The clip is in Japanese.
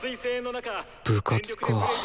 部活か。